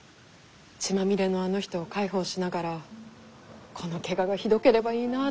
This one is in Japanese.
血まみれのあの人を介抱しながらこのけががひどければいいなって思ってました。